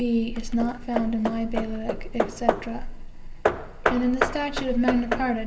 B. is not found in my bailiwick, &c.) And in the statute of Magna Carta, ch.